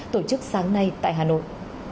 tổ chức sáng nay tại hà nội